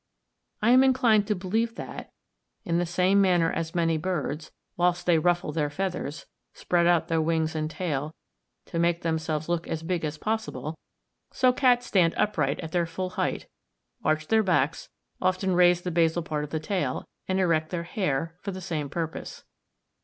I am inclined to believe that, in the same manner as many birds, whilst they ruffle their feathers, spread out their wings and tail, to make themselves look as big as possible, so cats stand upright at their full height, arch their backs, often raise the basal part of the tail, and erect their hair, for the same purpose.